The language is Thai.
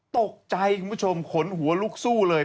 ตกใจคุณผู้ชมขนหัวลุกสู้เลย